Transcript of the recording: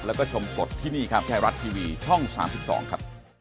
แล้วก็ชมสดที่นี่ครับไทยรัฐทีวีช่อง๓๒ครับ